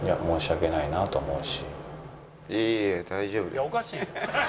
「いやおかしいやん！」